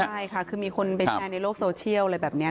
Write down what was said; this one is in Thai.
ใช่ค่ะคือมีคนไปแชร์ในโลกโซเชียลอะไรแบบนี้